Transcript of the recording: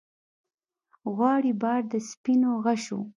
غواړي بار د سپینو غشو